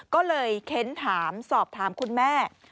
ก็เลยเค้นถามสอบถามคุณแม่